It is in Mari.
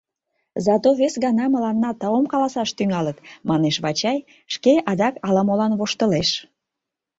Зато вес гана мыланна таум каласаш тӱҥалыт, — манеш Вачай, шке адак ала-молан воштылеш.